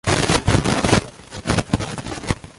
Tiene un sabor parecido a la ternera.